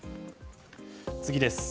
次です。